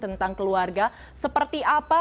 tentang keluarga seperti apa